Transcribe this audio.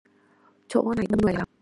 Chỗ này đông người lắm